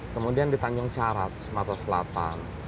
kemudian di tanjung carat sumatera selatan